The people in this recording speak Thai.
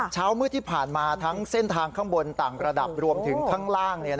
เช้ามืดที่ผ่านมาทั้งเส้นทางข้างบนต่างระดับรวมถึงข้างล่าง